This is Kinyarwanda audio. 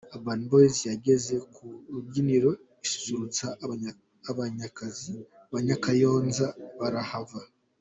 Urban boys yageze ku rubyiniriro isusurutsa abanyakayonza karahava.